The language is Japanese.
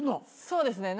そうですね。